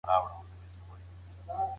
ته باید د اساطیرو له دایرې څخه بهر ووځې.